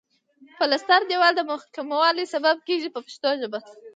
پلستر دېوال د محکموالي سبب کیږي په پښتو ژبه.